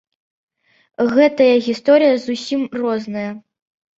Гэтыя гісторыі зусім розныя.